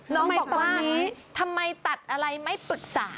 น้องบอกว่าทำไมตัดอะไรไม่ปรึกษา